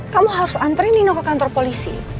kamu harus antri nino ke kantor polisi